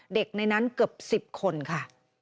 เด็กในนั้นเกือบสิบคนค่ะ